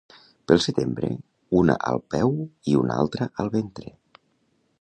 Pel setembre una al peu i una altra al ventre